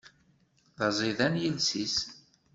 D aẓidan yiles-is.